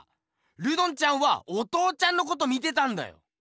ルドンちゃんはお父ちゃんのこと見てたんだよ！